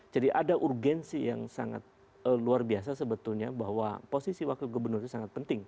jadi ada urgensi yang sangat luar biasa sebetulnya bahwa posisi wakil gubernur itu sangat penting